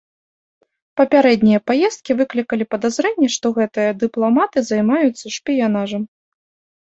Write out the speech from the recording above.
Папярэднія паездкі выклікалі падазрэнні, што гэтыя дыпламаты займаюцца шпіянажам.